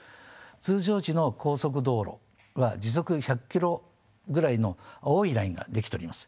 通常時の高速道路は時速１００ｋｍぐらいの青いラインが出来ております。